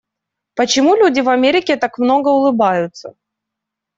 Почему люди в Америке так много улыбаются?